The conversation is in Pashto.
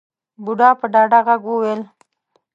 بوډا په ډاډه غږ وويل.